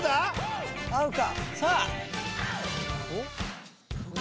合うか⁉